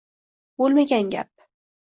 bo‘lmagan gap.